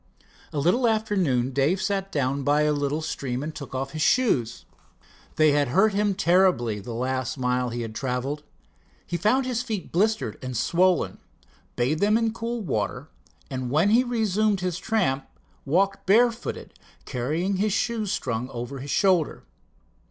A little after noon Dave sat down by a little stream and took off his shoes. They had hurt him terribly the last mile he had traveled. He found his feet blistered and swollen, bathed them in the cool water, and when he resumed his tramp walked barefooted, carrying the shoes strung over his shoulder.